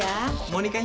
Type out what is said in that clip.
kau mau nikah